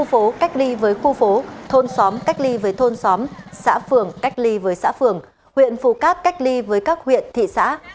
khu phố cách ly với khu phố thôn xóm cách ly với thôn xóm xã phường cách ly với xã phường huyện phù cát cách ly với các huyện thị xã